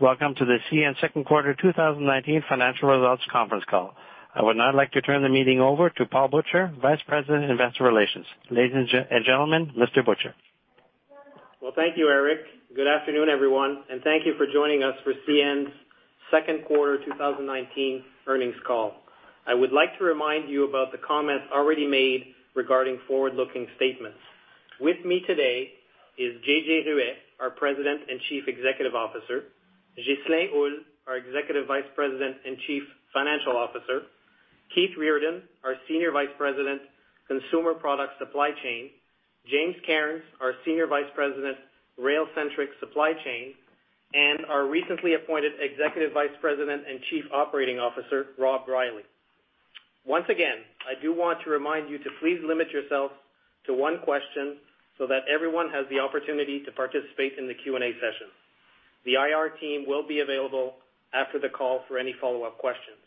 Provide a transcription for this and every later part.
Welcome to the CN second quarter 2019 financial results conference call. I would now like to turn the meeting over to Paul Butcher, Vice President, Investor Relations. Ladies and gentlemen, Mr. Butcher. Well, thank you, Eric. Good afternoon, everyone, and thank you for joining us for CN's Second Quarter 2019 Earnings Call. I would like to remind you about the comments already made regarding forward-looking statements. With me today is JJ Ruest, our President and Chief Executive Officer, Ghislain Houle, our Executive Vice President and Chief Financial Officer, Keith Reardon, our Senior Vice President, Consumer Product Supply Chain, James Cairns, our Senior Vice President, Rail-Centric Supply Chain, and our recently appointed Executive Vice President and Chief Operating Officer, Rob Reilly. Once again, I do want to remind you to please limit yourself to one question so that everyone has the opportunity to participate in the Q&A session. The IR team will be available after the call for any follow-up questions.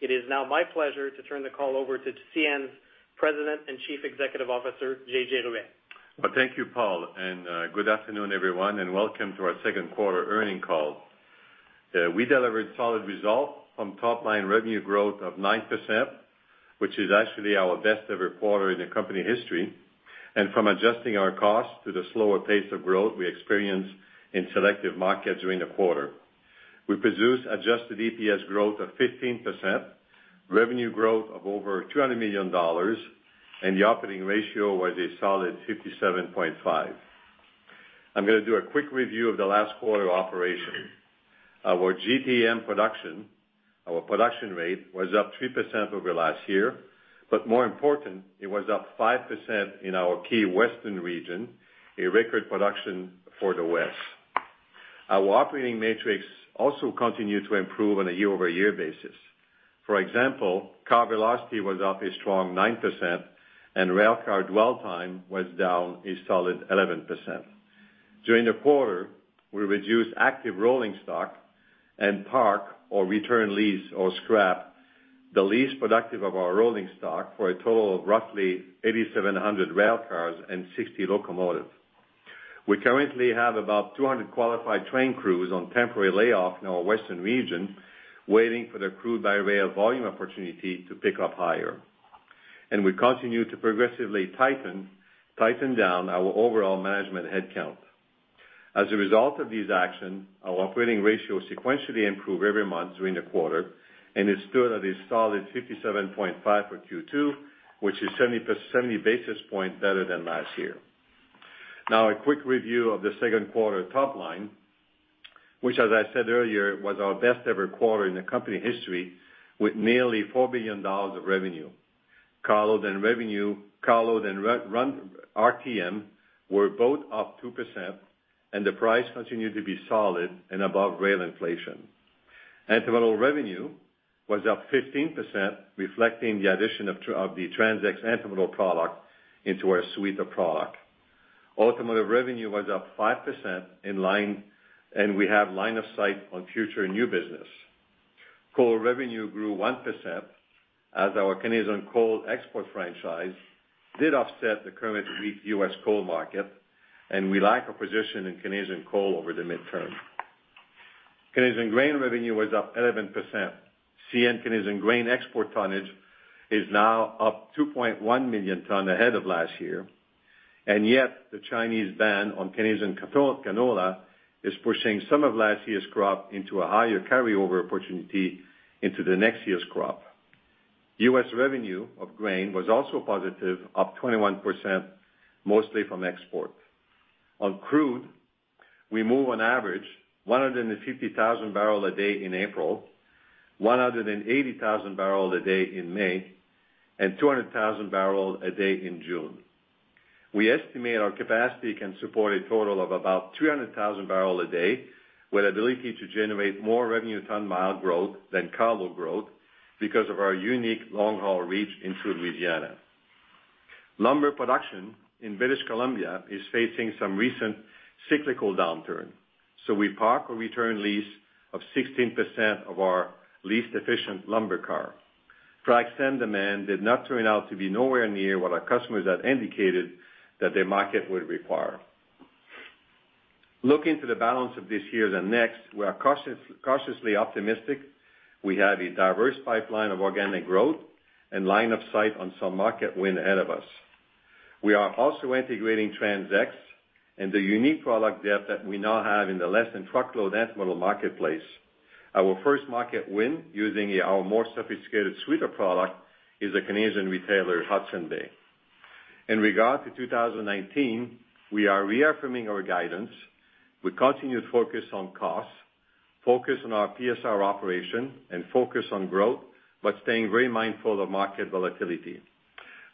It is now my pleasure to turn the call over to CN's President and Chief Executive Officer, JJ Ruest. Well, thank you, Paul, and good afternoon, everyone, and welcome to our Second Quarter Earnings Call. We delivered solid results from top-line revenue growth of 9%, which is actually our best-ever quarter in the company history, and from adjusting our costs to the slower pace of growth we experienced in selective markets during the quarter. We produced adjusted EPS growth of 15%, revenue growth of over 200 million dollars, and the operating ratio was a solid 57.5%. I'm going to do a quick review of the last quarter operation. Our GTM production, our production rate, was up 3% over the last year, but more important, it was up 5% in our key Western Region, a record production for the West. Our operating metrics also continued to improve on a year-over-year basis. For example, car velocity was up a strong 9%, and railcar dwell time was down a solid 11%. During the quarter, we reduced active rolling stock and park, or return lease, or scrap, the least productive of our rolling stock for a total of roughly 8,700 railcars and 60 locomotives. We currently have about 200 qualified train crews on temporary layoff in our Western Region, waiting for the crude-by-rail volume opportunity to pick up higher. We continue to progressively tighten down our overall management headcount. As a result of these actions, our operating ratio sequentially improved every month during the quarter, and it stood at a solid 57.5 for Q2, which is 70 basis points better than last year. Now, a quick review of the second quarter top line, which, as I said earlier, was our best-ever quarter in the company history, with nearly 4 billion dollars of revenue. Carload and RTM were both up 2%, and the price continued to be solid and above rail inflation. Intermodal revenue was up 15%, reflecting the addition of the TransX intermodal product into our suite of product. Automotive revenue was up 5%, and we have line of sight on future new business. Coal revenue grew 1%, as our Canadian coal export franchise did offset the current weak U.S. coal market, and we like our position in Canadian coal over the midterm. Canadian grain revenue was up 11%. CN Canadian grain export tonnage is now up 2.1 million tons ahead of last year, and yet the Chinese ban on Canadian canola is pushing some of last year's crop into a higher carryover opportunity into the next year's crop. U.S. revenue of grain was also positive, up 21%, mostly from export. On crude, we moved on average 150,000 barrels a day in April, 180,000 barrels a day in May, and 200,000 barrels a day in June. We estimate our capacity can support a total of about 300,000 barrels a day, with ability to generate more revenue ton-mile growth than carload growth because of our unique long-haul reach into Louisiana. Lumber production in British Columbia is facing some recent cyclical downturn, so we parked and returned the lease of 16% of our least efficient lumber cars. Frac sand demand did not turn out to be nowhere near what our customers had indicated that their market would require. Looking to the balance of this year and next, we are cautiously optimistic. We have a diverse pipeline of organic growth and line of sight on some market win ahead of us. We are also integrating TransX and the unique product depth that we now have in the less-than-truckload intermodal marketplace. Our first market win using our more sophisticated suite of product is a Canadian retailer, Hudson's Bay. In regard to 2019, we are reaffirming our guidance with continued focus on cost, focus on our PSR operation, and focus on growth, but staying very mindful of market volatility.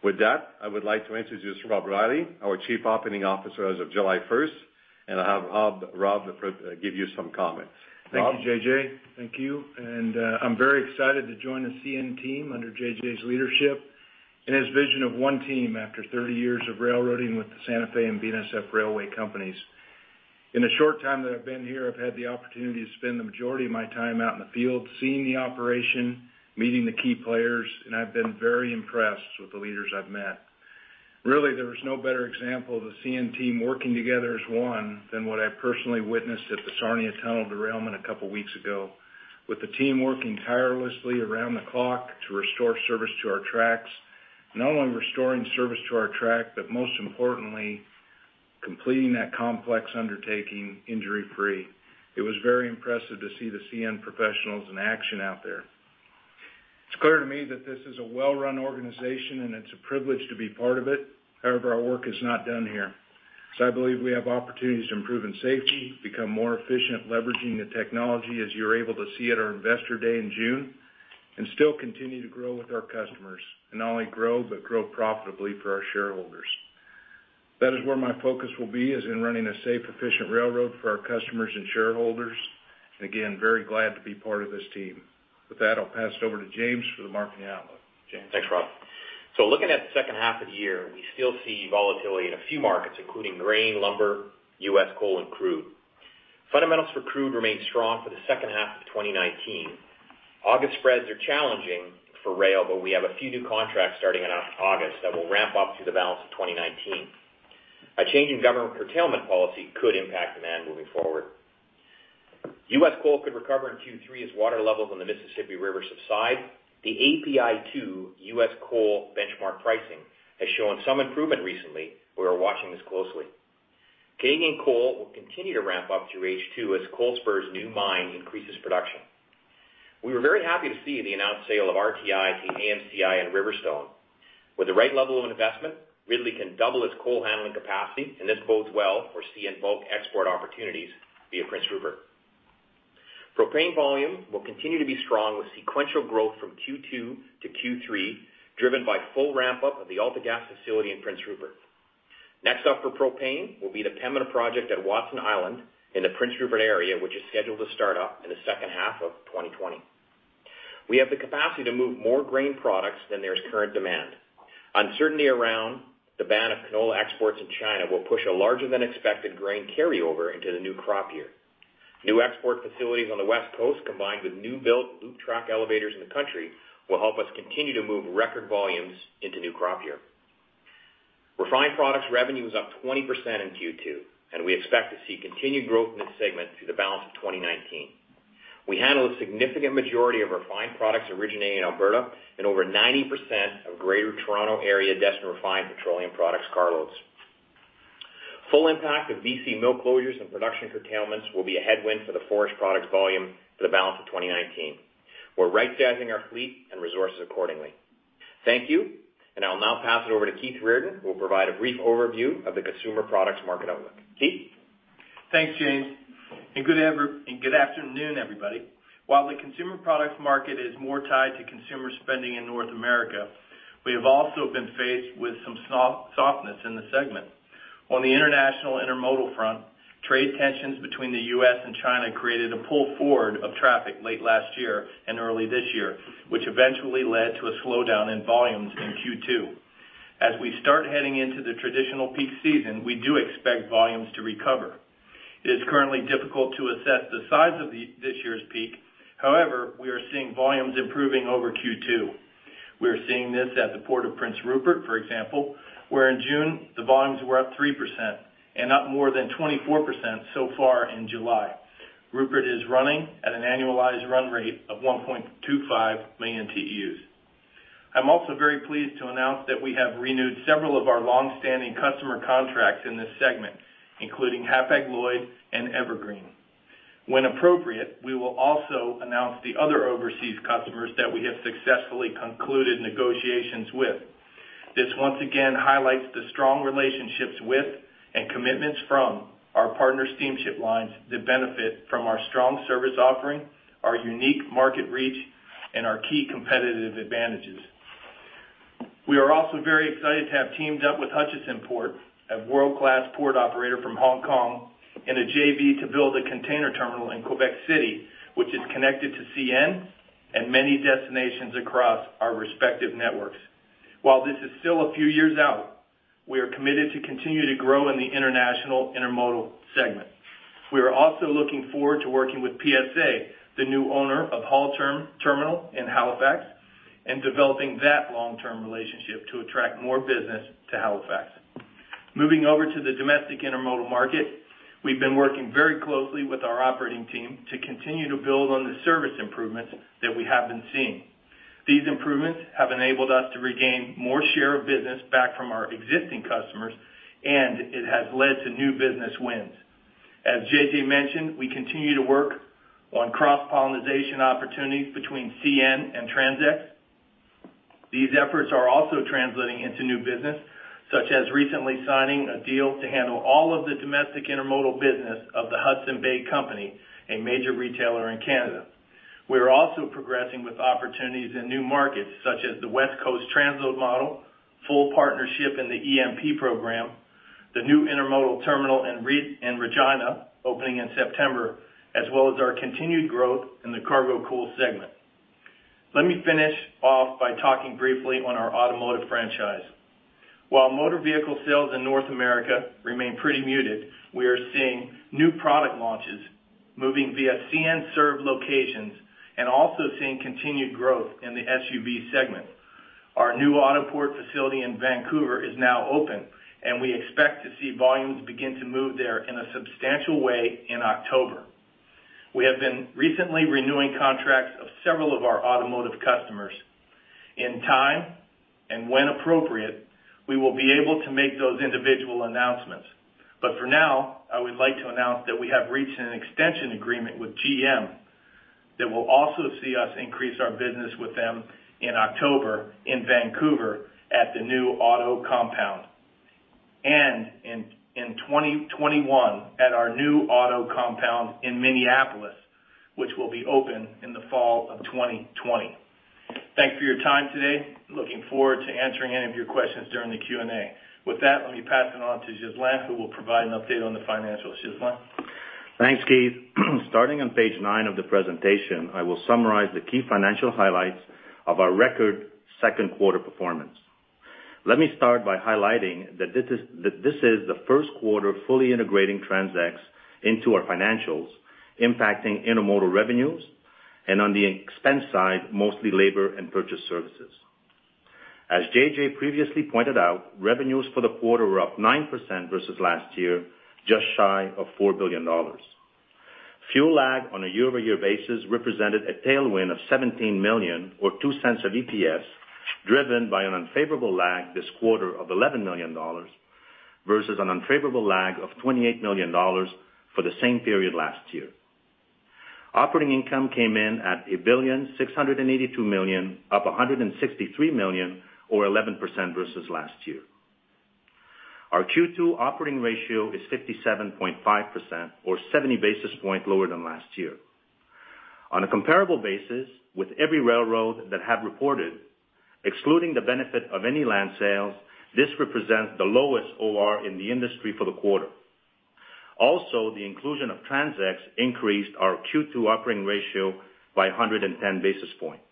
With that, I would like to introduce Rob Reilly, our Chief Operating Officer as of July 1st, and I'll have Rob give you some comments. Thank you, JJ Thank you. I'm very excited to join the CN team under JJ's leadership and his vision of one team after 30 years of railroading with the Santa Fe and BNSF Railway Companies. In the short time that I've been here, I've had the opportunity to spend the majority of my time out in the field, seeing the operation, meeting the key players, and I've been very impressed with the leaders I've met. Really, there is no better example of the CN team working together as one than what I personally witnessed at the Sarnia Tunnel derailment a couple of weeks ago, with the team working tirelessly around the clock to restore service to our tracks, not only restoring service to our track, but most importantly, completing that complex undertaking injury-free. It was very impressive to see the CN professionals in action out there. It's clear to me that this is a well-run organization, and it's a privilege to be part of it. However, our work is not done here. So I believe we have opportunities to improve in safety, become more efficient leveraging the technology, as you're able to see at our Investor Day in June, and still continue to grow with our customers, and not only grow, but grow profitably for our shareholders. That is where my focus will be, is in running a safe, efficient railroad for our customers and shareholders. And again, very glad to be part of this team. With that, I'll pass it over to James for the marketing outlook. James. Thanks, Rob. So looking at the second half of the year, we still see volatility in a few markets, including grain, lumber, U.S. coal, and crude. Fundamentals for crude remain strong for the second half of 2019. August spreads are challenging for rail, but we have a few new contracts starting in August that will ramp up through the balance of 2019. A change in government curtailment policy could impact demand moving forward. U.S. coal could recover in Q3 as water levels on the Mississippi River subside. The API 2 U.S. coal benchmark pricing has shown some improvement recently. We are watching this closely. Canadian coal will continue to ramp up through H2 as Coalspur's new mine increases production. We were very happy to see the announced sale of RTI to AMCI and Riverstone. With the right level of investment, Ridley can double its coal handling capacity, and this bodes well for CN bulk export opportunities via Prince Rupert. Propane volume will continue to be strong with sequential growth from Q2 to Q3, driven by full ramp-up of the AltaGas facility in Prince Rupert. Next up for propane will be the Pembina project at Watson Island in the Prince Rupert area, which is scheduled to start up in the second half of 2020. We have the capacity to move more grain products than there is current demand. Uncertainty around the ban of canola exports in China will push a larger-than-expected grain carryover into the new crop year. New export facilities on the West Coast, combined with new-built loop track elevators in the country, will help us continue to move record volumes into new crop year. Refined products revenue is up 20% in Q2, and we expect to see continued growth in this segment through the balance of 2019. We handle a significant majority of refined products originating in Alberta and over 90% of Greater Toronto Area destined refined petroleum products carloads. Full impact of BC mill closures and production curtailments will be a headwind for the forest products volume for the balance of 2019. We're right-sizing our fleet and resources accordingly. Thank you, and I'll now pass it over to Keith Reardon, who will provide a brief overview of the consumer products market outlook. Keith. Thanks, James. Good afternoon, everybody. While the consumer products market is more tied to consumer spending in North America, we have also been faced with some softness in the segment. On the international intermodal front, trade tensions between the U.S. and China created a pull forward of traffic late last year and early this year, which eventually led to a slowdown in volumes in Q2. As we start heading into the traditional peak season, we do expect volumes to recover. It is currently difficult to assess the size of this year's peak. However, we are seeing volumes improving over Q2. We are seeing this at the port of Prince Rupert, for example, where in June the volumes were up 3% and up more than 24% so far in July. Rupert is running at an annualized run rate of 1.25 million TEUs. I'm also very pleased to announce that we have renewed several of our long-standing customer contracts in this segment, including Hapag-Lloyd and Evergreen. When appropriate, we will also announce the other overseas customers that we have successfully concluded negotiations with. This once again highlights the strong relationships with and commitments from our partner steamship lines that benefit from our strong service offering, our unique market reach, and our key competitive advantages. We are also very excited to have teamed up with Hutchison Ports, a world-class port operator from Hong Kong, and a JV to build a container terminal in Quebec City, which is connected to CN and many destinations across our respective networks. While this is still a few years out, we are committed to continue to grow in the international intermodal segment. We are also looking forward to working with PSA, the new owner of Halterm in Halifax, and developing that long-term relationship to attract more business to Halifax. Moving over to the domestic intermodal market, we've been working very closely with our operating team to continue to build on the service improvements that we have been seeing. These improvements have enabled us to regain more share of business back from our existing customers, and it has led to new business wins. As JJ mentioned, we continue to work on cross-pollination opportunities between CN and TransX. These efforts are also translating into new business, such as recently signing a deal to handle all of the domestic intermodal business of the Hudson's Bay Company, a major retailer in Canada. We are also progressing with opportunities in new markets, such as the West Coast transload model, full partnership in the EMP Program, the new intermodal terminal in Regina, opening in September, as well as our continued growth in the CargoCool segment. Let me finish off by talking briefly on our automotive franchise. While motor vehicle sales in North America remain pretty muted, we are seeing new product launches moving via CN-served locations and also seeing continued growth in the SUV segment. Our new Autoport facility in Vancouver is now open, and we expect to see volumes begin to move there in a substantial way in October. We have been recently renewing contracts of several of our automotive customers. In time and when appropriate, we will be able to make those individual announcements. But for now, I would like to announce that we have reached an extension agreement with GM that will also see us increase our business with them in October in Vancouver at the new auto compound, and in 2021 at our new auto compound in Minneapolis, which will be open in the fall of 2020. Thanks for your time today. Looking forward to answering any of your questions during the Q&A. With that, let me pass it on to Ghislain, who will provide an update on the financials. Ghislain. Thanks, Keith. Starting on page nine of the presentation, I will summarize the key financial highlights of our record second quarter performance. Let me start by highlighting that this is the first quarter fully integrating TransX into our financials, impacting intermodal revenues, and on the expense side, mostly labor and purchase services. As JJ previously pointed out, revenues for the quarter were up 9% versus last year, just shy of 4 billion dollars. Fuel lag on a year-over-year basis represented a tailwind of 17 million, or 0.02 of EPS, driven by an unfavorable lag this quarter of 11 million dollars versus an unfavorable lag of 28 million dollars for the same period last year. Operating income came in at 1,682 million, up 163 million, or 11% versus last year. Our Q2 operating ratio is 57.5%, or 70 basis points lower than last year. On a comparable basis, with every railroad that had reported, excluding the benefit of any land sales, this represents the lowest OR in the industry for the quarter. Also, the inclusion of TransX increased our Q2 operating ratio by 110 basis points.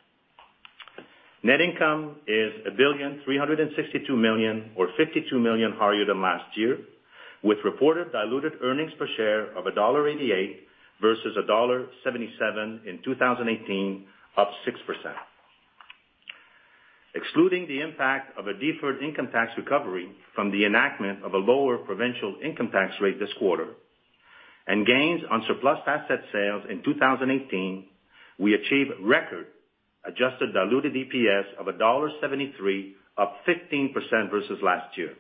Net income is 1,362 billion, or 52 million higher than last year, with reported diluted earnings per share of dollar 1.88 versus dollar 1.77 in 2018, up 6%. Excluding the impact of a deferred income tax recovery from the enactment of a lower provincial income tax rate this quarter and gains on surplus asset sales in 2018, we achieve record adjusted diluted EPS of dollar 1.73, up 15% versus last year.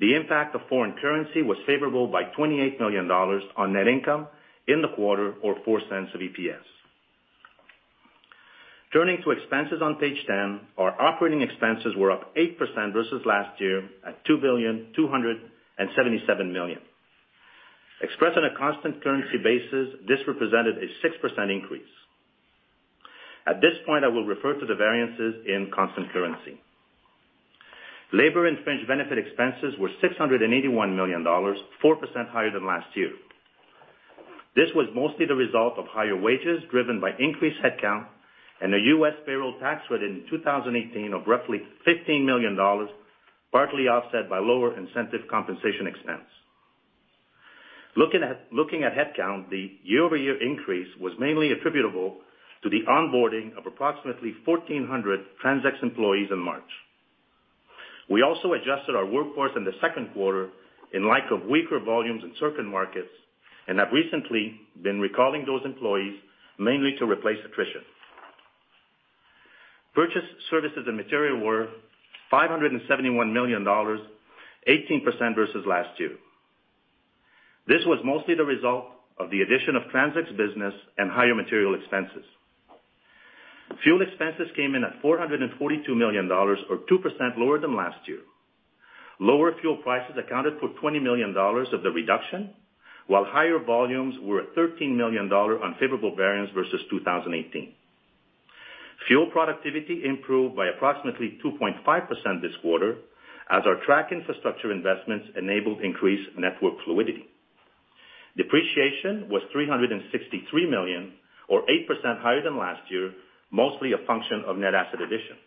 The impact of foreign currency was favorable by 28 million dollars on net income in the quarter, or 0.04 of EPS. Turning to expenses on page 10, our operating expenses were up 8% versus last year at 2,277 million. Expressed on a constant currency basis, this represented a 6% increase. At this point, I will refer to the variances in constant currency. Labor and fringe benefit expenses were 681 million dollars, 4% higher than last year. This was mostly the result of higher wages driven by increased headcount and a U.S. payroll tax rate in 2018 of roughly 15 million dollars, partly offset by lower incentive compensation expense. Looking at headcount, the year-over-year increase was mainly attributable to the onboarding of approximately 1,400 TransX employees in March. We also adjusted our workforce in the second quarter in light of weaker volumes in certain markets and have recently been recalling those employees, mainly to replace attrition. Purchase services and material were 571 million dollars, 18% versus last year. This was mostly the result of the addition of TransX business and higher material expenses. Fuel expenses came in at 442 million dollars, or 2% lower than last year. Lower fuel prices accounted for 20 million dollars of the reduction, while higher volumes were 13 million dollar on favorable variance versus 2018. Fuel productivity improved by approximately 2.5% this quarter, as our track infrastructure investments enabled increased network fluidity. Depreciation was 363 million, or 8% higher than last year, mostly a function of net asset additions.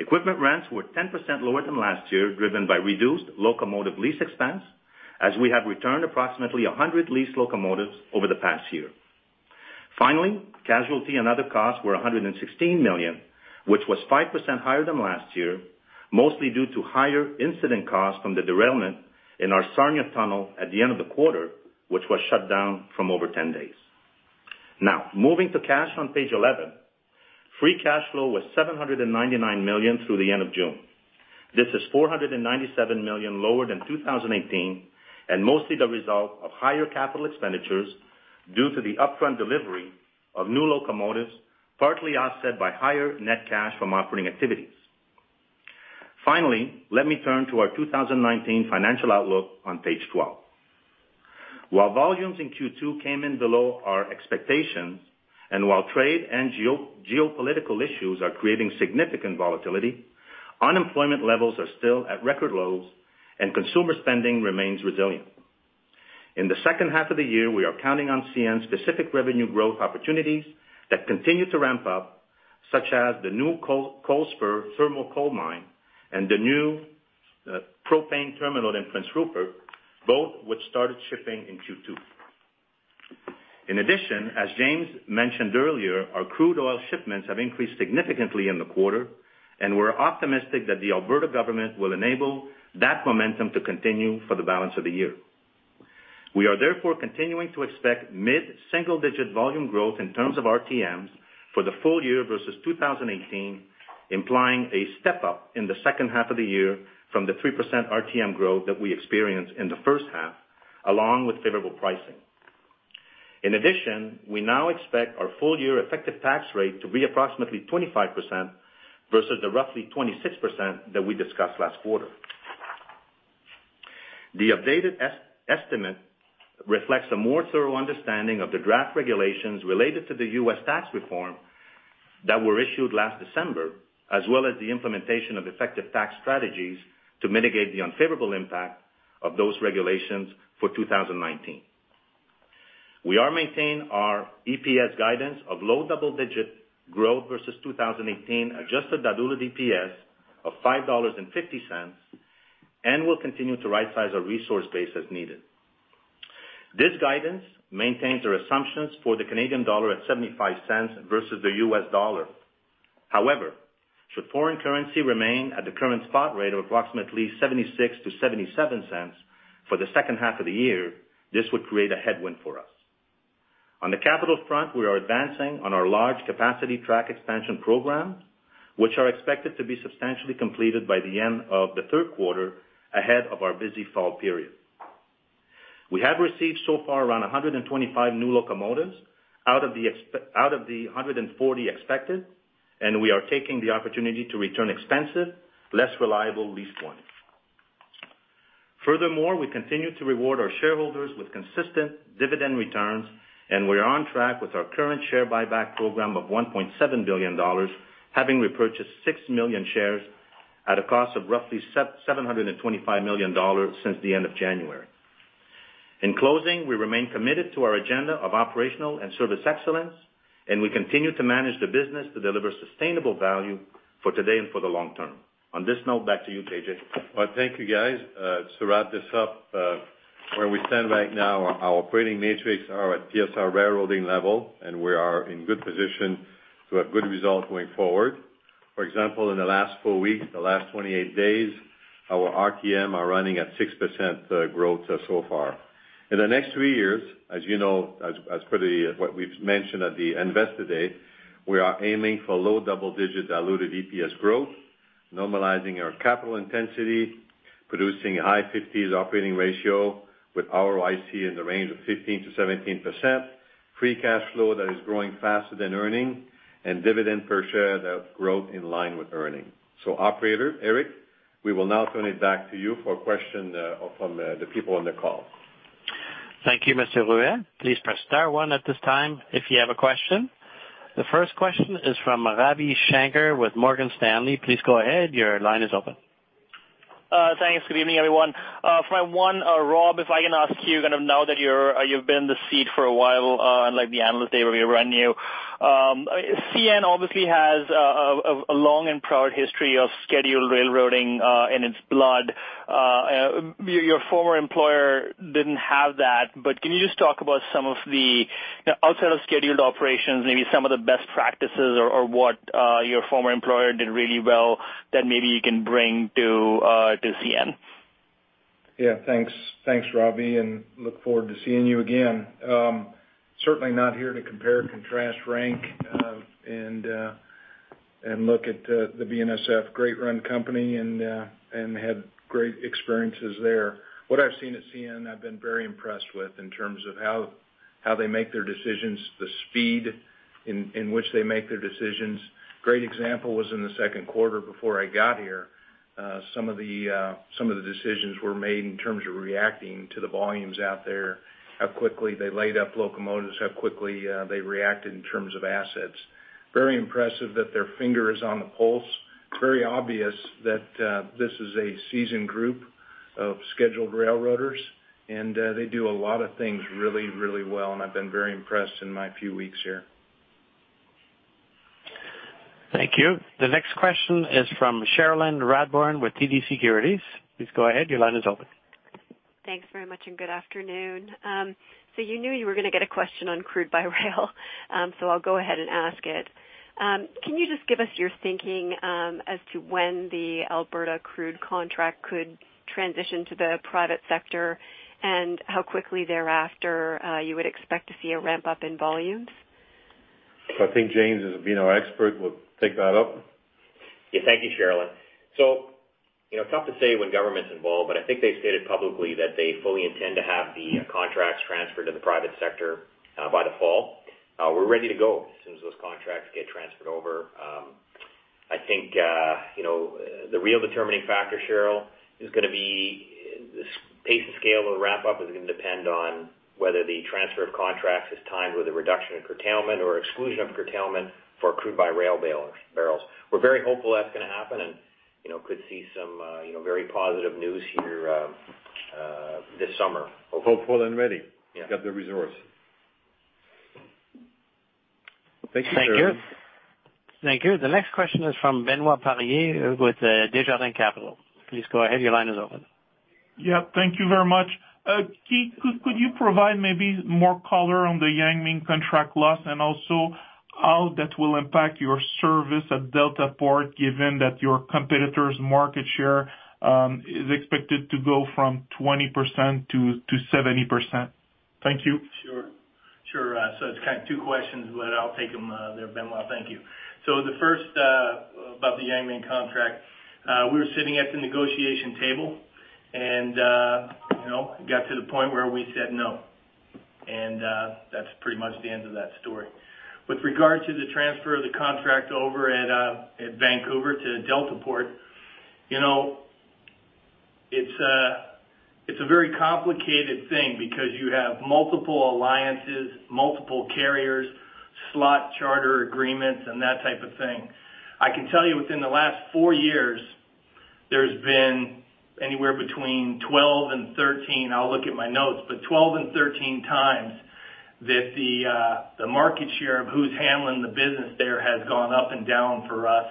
Equipment rents were 10% lower than last year, driven by reduced locomotive lease expense, as we have returned approximately 100 leased locomotives over the past year. Finally, casualty and other costs were 116 million, which was 5% higher than last year, mostly due to higher incident costs from the derailment in our Sarnia Tunnel at the end of the quarter, which was shut down from over 10 days. Now, moving to cash on page 11, free cash flow was 799 million through the end of June. This is 497 million lower than 2018 and mostly the result of higher capital expenditures due to the upfront delivery of new locomotives, partly offset by higher net cash from operating activities. Finally, let me turn to our 2019 financial outlook on page 12. While volumes in Q2 came in below our expectations and while trade and geopolitical issues are creating significant volatility, unemployment levels are still at record lows and consumer spending remains resilient. In the second half of the year, we are counting on CN-specific revenue growth opportunities that continue to ramp up, such as the new Coalspur thermal coal mine and the new propane terminal in Prince Rupert, both which started shipping in Q2. In addition, as James mentioned earlier, our crude oil shipments have increased significantly in the quarter, and we're optimistic that the Alberta government will enable that momentum to continue for the balance of the year. We are therefore continuing to expect mid-single-digit volume growth in terms of RTMs for the full year versus 2018, implying a step-up in the second half of the year from the 3% RTM growth that we experienced in the first half, along with favorable pricing. In addition, we now expect our full-year effective tax rate to be approximately 25% versus the roughly 26% that we discussed last quarter. The updated estimate reflects a more thorough understanding of the draft regulations related to the U.S. tax reform that were issued last December, as well as the implementation of effective tax strategies to mitigate the unfavorable impact of those regulations for 2019. We are maintaining our EPS guidance of low double-digit growth versus 2018 adjusted diluted EPS of $5.50, and we'll continue to right-size our resource base as needed. This guidance maintains our assumptions for the Canadian dollar at 0.75 versus the U.S. dollar. However, should foreign currency remain at the current spot rate of approximately 0.76-0.77 for the second half of the year, this would create a headwind for us. On the capital front, we are advancing on our large capacity track expansion program, which are expected to be substantially completed by the end of the third quarter ahead of our busy fall period. We have received so far around 125 new locomotives out of the 140 expected, and we are taking the opportunity to return expensive, less reliable leased ones. Furthermore, we continue to reward our shareholders with consistent dividend returns, and we are on track with our current share buyback program of 1.7 billion dollars, having repurchased 6 million shares at a cost of roughly 725 million dollars since the end of January. In closing, we remain committed to our agenda of operational and service excellence, and we continue to manage the business to deliver sustainable value for today and for the long term. On this note, back to you, JJ. Well, thank you, guys. To wrap this up, where we stand right now, our operating metrics are at PSR Railroading level, and we are in good position to have good results going forward. For example, in the last four weeks, the last 28 days, our RTM are running at 6% growth so far. In the next three years, as you know, as per what we've mentioned at the investor day, we are aiming for low double-digit diluted EPS growth, normalizing our capital intensity, producing a high 50s operating ratio with ROIC in the range of 15%-17%, free cash flow that is growing faster than earnings, and dividend per share that grows in line with earnings. So, Operator Eric, we will now turn it back to you for a question from the people on the call. Thank you, Mr. Ruest. Please press star one at this time if you have a question. The first question is from Ravi Shanker with Morgan Stanley. Please go ahead. Your line is open. Thanks. Good evening, everyone. For my first, Rob, if I can ask you, kind of now that you've been in the seat for a while and the analyst day will be around the corner, CN obviously has a long and proud history of scheduled railroading in its blood. Your former employer didn't have that, but can you just talk about some of the aspects outside of scheduled operations, maybe some of the best practices or what your former employer did really well that maybe you can bring to CN? Yeah, thanks. Thanks, Ravi, and look forward to seeing you again. Certainly not here to compare and contrast rank and look at the BNSF Great Run Company and had great experiences there. What I've seen at CN, I've been very impressed with in terms of how they make their decisions, the speed in which they make their decisions. Great example was in the second quarter before I got here, some of the decisions were made in terms of reacting to the volumes out there, how quickly they laid up locomotives, how quickly they reacted in terms of assets. Very impressive that their finger is on the pulse. Very obvious that this is a seasoned group of scheduled railroaders, and they do a lot of things really, really well, and I've been very impressed in my few weeks here. Thank you. The next question is from Cherilyn Radbourne with TD Securities. Please go ahead. Your line is open. Thanks very much and good afternoon. You knew you were going to get a question on crude by rail, so I'll go ahead and ask it. Can you just give us your thinking as to when the Alberta crude contract could transition to the private sector and how quickly thereafter you would expect to see a ramp-up in volumes? I think James is being our expert. We'll take that up. Yeah, thank you, Cherilyn. So it's tough to say when government's involved, but I think they've stated publicly that they fully intend to have the contracts transferred to the private sector by the fall. We're ready to go as soon as those contracts get transferred over. I think the real determining factor, Cherilyn, is going to be the pace and scale of the ramp-up is going to depend on whether the transfer of contracts is timed with a reduction in curtailment or exclusion of curtailment for crude by rail barrels. We're very hopeful that's going to happen and could see some very positive news here this summer. Hopeful and ready. Got the resource. Thank you, Sheryl. Thank you. The next question is from Benoit Poirier with Desjardins Capital. Please go ahead. Your line is open. Yep. Thank you very much. Keith, could you provide maybe more color on the Yang Ming contract loss and also how that will impact your service at Deltaport given that your competitor's market share is expected to go from 20%-70%? Thank you. Sure. Sure. So it's kind of two questions, but I'll take them. Thank you, Benoit. So the first about the Yang Ming contract, we were sitting at the negotiation table and got to the point where we said no. And that's pretty much the end of that story. With regard to the transfer of the contract over at Vancouver to Deltaport, it's a very complicated thing because you have multiple alliances, multiple carriers, slot charter agreements, and that type of thing. I can tell you within the last four years, there's been anywhere between 12 and 13. I'll look at my notes, but 12 and 13 times that the market share of who's handling the business there has gone up and down for us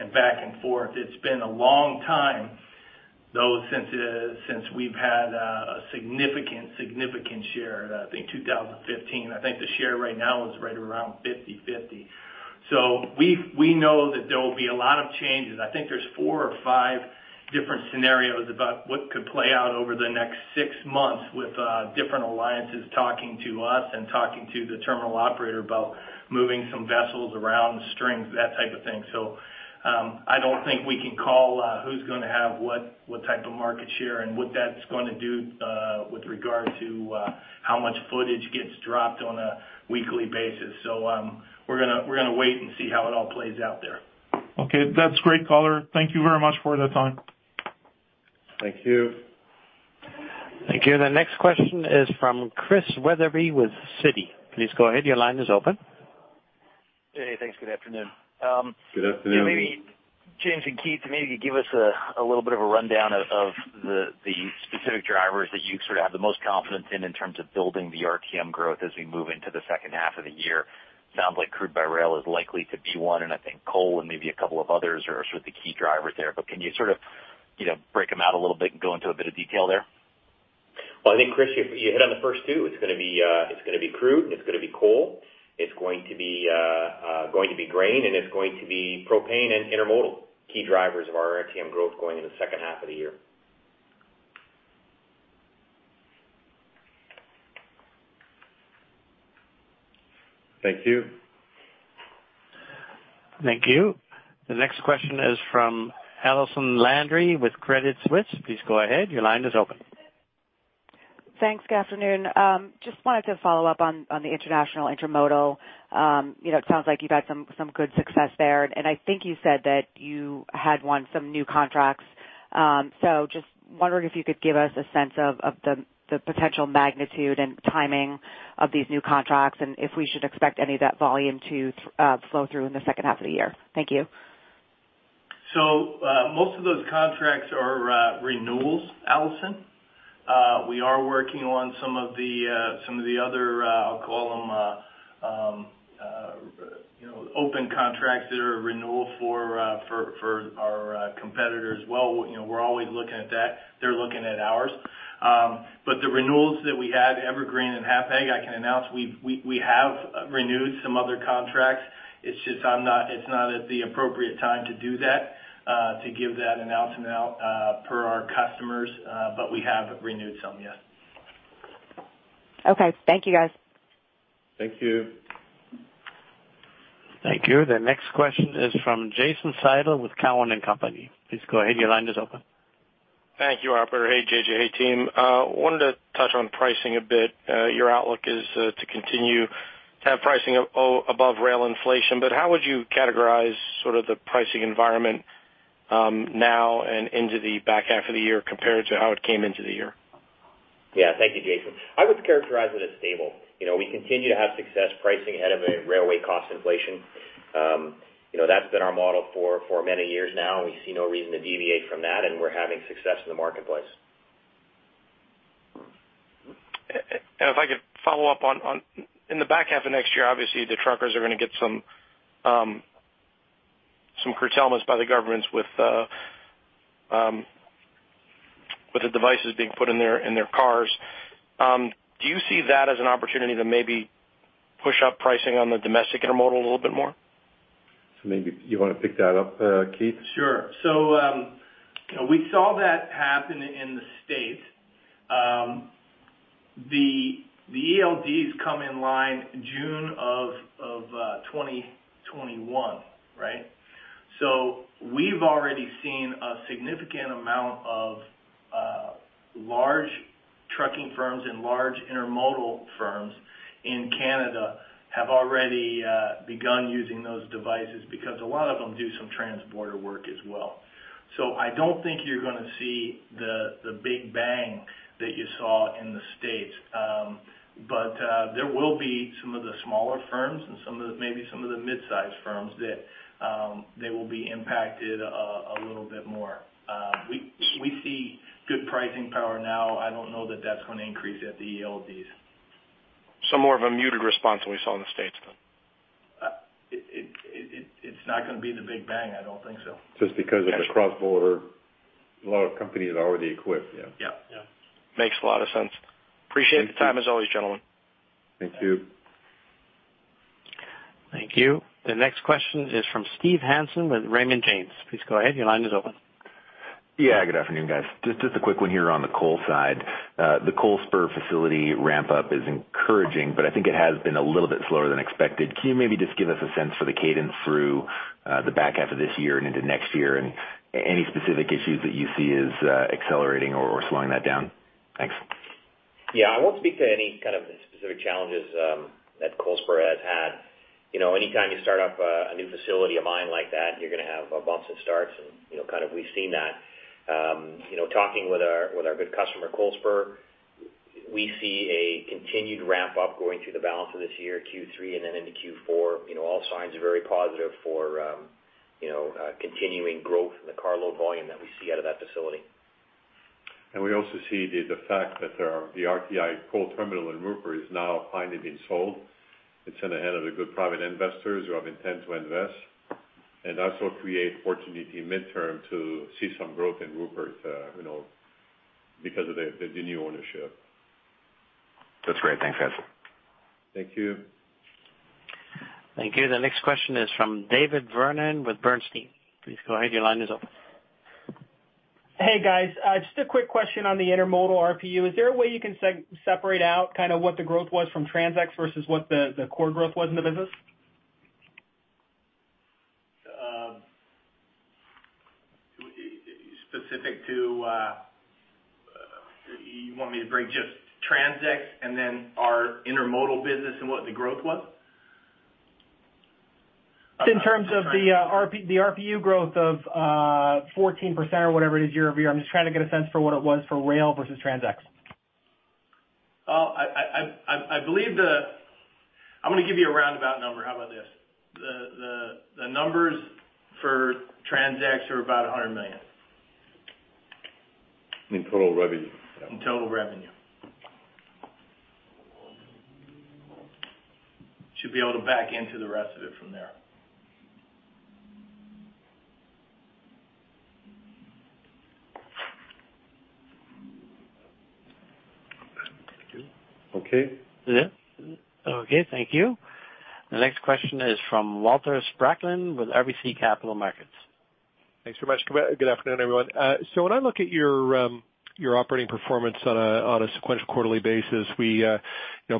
and back and forth. It's been a long time, though, since we've had a significant, significant share in, I think, 2015. I think the share right now is right around 50/50. So we know that there will be a lot of changes. I think there's four or five different scenarios about what could play out over the next six months with different alliances talking to us and talking to the terminal operator about moving some vessels around, strings, that type of thing. So I don't think we can call who's going to have what type of market share and what that's going to do with regard to how much footage gets dropped on a weekly basis. So we're going to wait and see how it all plays out there. Okay. That's great color. Thank you very much for the time. Thank you. Thank you. The next question is from Chris Wetherbee with Citi. Please go ahead. Your line is open. Hey, thanks. Good afternoon. Good afternoon. Yeah, maybe James and Keith, maybe you could give us a little bit of a rundown of the specific drivers that you sort of have the most confidence in in terms of building the RTM growth as we move into the second half of the year. Sounds like crude by rail is likely to be one, and I think coal and maybe a couple of others are sort of the key drivers there. But can you sort of break them out a little bit and go into a bit of detail there? Well, I think, Chris, you hit on the first two. It's going to be crude, and it's going to be coal. It's going to be grain, and it's going to be propane and intermodal, key drivers of our RTM growth going into the second half of the year. Thank you. Thank you. The next question is from Allison Landry with Credit Suisse. Please go ahead. Your line is open. Thanks. Good afternoon. Just wanted to follow up on the international intermodal. It sounds like you've had some good success there, and I think you said that you had won some new contracts. So just wondering if you could give us a sense of the potential magnitude and timing of these new contracts and if we should expect any of that volume to flow through in the second half of the year. Thank you. So most of those contracts are renewals, Allison. We are working on some of the other, I'll call them open contracts that are a renewal for our competitor as well. We're always looking at that. They're looking at ours. But the renewals that we had, Evergreen and Hapag, I can announce we have renewed some other contracts. It's just it's not at the appropriate time to do that, to give that announcement out per our customers, but we have renewed some, yes. Okay. Thank you, guys. Thank you. Thank you. The next question is from Jason Seidel with Cowen and Company. Please go ahead. Your line is open. Thank you, Operator. Hey, JJ's team. I wanted to touch on pricing a bit. Your outlook is to continue to have pricing above rail inflation, but how would you categorize sort of the pricing environment now and into the back half of the year compared to how it came into the year? Yeah. Thank you, Jason. I would characterize it as stable. We continue to have success pricing ahead of a railway cost inflation. That's been our model for many years now, and we see no reason to deviate from that, and we're having success in the marketplace. If I could follow up on in the back half of next year, obviously, the truckers are going to get some curtailments by the governments with the devices being put in their cars. Do you see that as an opportunity to maybe push up pricing on the domestic intermodal a little bit more? So maybe you want to pick that up, Keith? Sure. So we saw that happen in the States. The ELDs come in line June of 2021, right? So we've already seen a significant amount of large trucking firms and large intermodal firms in Canada have already begun using those devices because a lot of them do some trans-border work as well. So I don't think you're going to see the big bang that you saw in the States, but there will be some of the smaller firms and maybe some of the mid-sized firms that they will be impacted a little bit more. We see good pricing power now. I don't know that that's going to increase at the ELDs. Some more of a muted response than we saw in the States, then?. It's not going to be the big bang. I don't think so. Just because of the cross-border, a lot of companies are already equipped. Yeah. Yeah. Yeah. Makes a lot of sense. Appreciate the time as always, gentlemen. Thank you. Thank you. The next question is from Steve Hansen with Raymond James. Please go ahead. Your line is open. Yeah. Good afternoon, guys. Just a quick one here on the coal side. The Coalspur facility ramp-up is encouraging, but I think it has been a little bit slower than expected. Can you maybe just give us a sense for the cadence through the back half of this year and into next year and any specific issues that you see as accelerating or slowing that down? Thanks. Yeah. I won't speak to any kind of specific challenges that Coalspur has had. Anytime you start up a new facility, a mine like that, you're going to have bumps and starts, and kind of we've seen that. Talking with our good customer, Coalspur, we see a continued ramp-up going through the balance of this year, Q3 and then into Q4. All signs are very positive for continuing growth in the carload volume that we see out of that facility. We also see the fact that the RTI coal terminal in Rupert is now finally being sold. It's in the hands of good private investors who have intent to invest and also create opportunity mid-term to see some growth in Rupert because of the new ownership. That's great. Thanks, guys. Thank you. Thank you. The next question is from David Vernon with Bernstein. Please go ahead. Your line is open. Hey, guys. Just a quick question on the intermodal RPU. Is there a way you can separate out kind of what the growth was from TransX versus what the core growth was in the business? Specifically, do you want me to bring just TransX and then our intermodal business and what the growth was? In terms of the RPU growth of 14% or whatever it is year-over-year. I'm just trying to get a sense for what it was for rail versus TransX. Well, I believe I'm going to give you a roundabout number. How about this? The numbers for TransX are about 100 million. In total revenue. In total revenue. Should be able to back into the rest of it from there. Okay. Yeah. Okay. Thank you. The next question is from Walter Spracklin with RBC Capital Markets. Thanks very much. Good afternoon, everyone. So when I look at your operating performance on a sequential quarterly basis,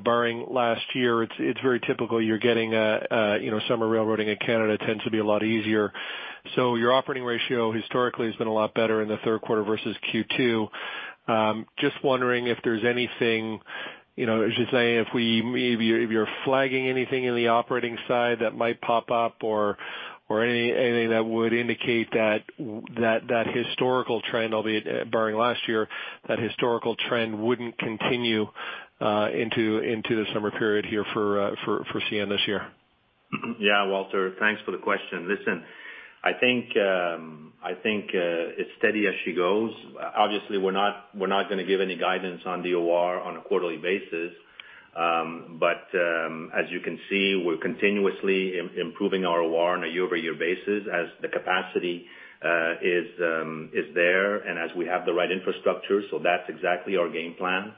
barring last year, it's very typical you're getting summer railroading in Canada tends to be a lot easier. So your operating ratio historically has been a lot better in the third quarter versus Q2. Just wondering if there's anything—I was just saying if you're flagging anything in the operating side that might pop up or anything that would indicate that historical trend, albeit barring last year, that historical trend wouldn't continue into the summer period here for CN this year. Yeah, Walter, thanks for the question. Listen, I think it's steady as she goes. Obviously, we're not going to give any guidance on the OR on a quarterly basis, but as you can see, we're continuously improving our OR on a year-over-year basis as the capacity is there and as we have the right infrastructure. So that's exactly our game plan.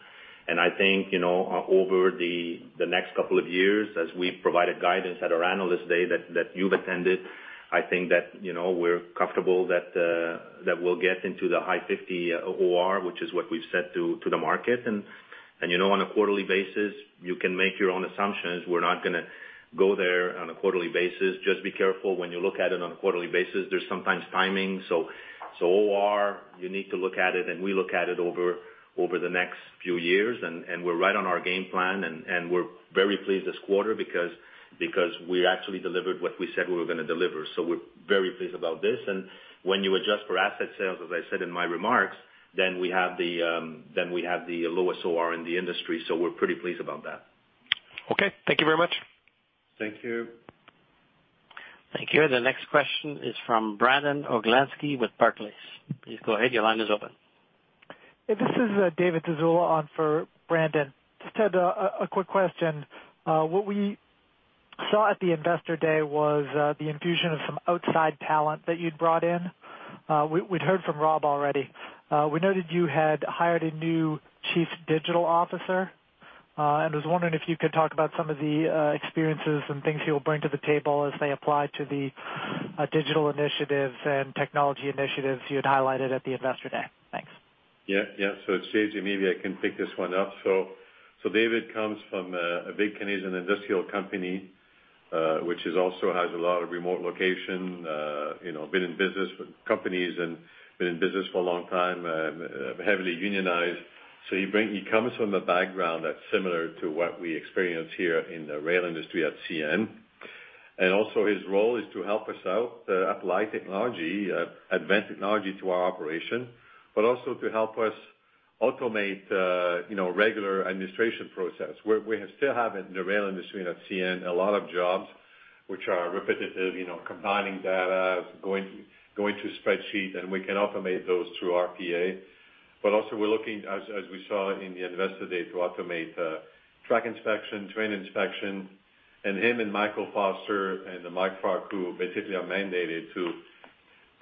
And I think over the next couple of years, as we provide guidance at our Analyst Day that you've attended, I think that we're comfortable that we'll get into the high 50 OR, which is what we've said to the market. And on a quarterly basis, you can make your own assumptions. We're not going to go there on a quarterly basis. Just be careful when you look at it on a quarterly basis. There's sometimes timing. So, OR, you need to look at it, and we look at it over the next few years. We're right on our game plan, and we're very pleased this quarter because we actually delivered what we said we were going to deliver. So we're very pleased about this. When you adjust for asset sales, as I said in my remarks, then we have the lowest OR in the industry. So we're pretty pleased about that. Okay. Thank you very much. Thank you. Thank you. The next question is from Brandon Oglensky with Barclays. Please go ahead. Your line is open. This is David Zazula on for Brandon. Just had a quick question. What we saw at the Investor Day was the infusion of some outside talent that you'd brought in. We'd heard from Rob already. We noted you had hired a new Chief Digital Officer and was wondering if you could talk about some of the experiences and things he will bring to the table as they apply to the digital initiatives and technology initiatives you had highlighted at the investor day. Thanks. Yeah. Yeah. So it's JJ. Maybe I can pick this one up. So David comes from a big Canadian industrial company, which also has a lot of remote locations. Been in business with companies and been in business for a long time, heavily unionized. So he comes from a background that's similar to what we experience here in the rail industry at CN. And also, his role is to help us out, apply technology, advance technology to our operation, but also to help us automate regular administration processes. We still have in the rail industry at CN a lot of jobs which are repetitive, combining data, going to spreadsheets, and we can automate those through RPA. But also, we're looking, as we saw in the Investor Day, to automate track inspection, train inspection. Him and Michael Foster and Mike Farkouh, who basically are mandated